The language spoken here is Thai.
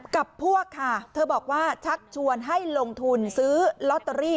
กับพวกค่ะเธอบอกว่าชักชวนให้ลงทุนซื้อลอตเตอรี่